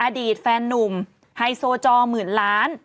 อดีตแฟนนุ่มไฮโซจอหมื่นล้าน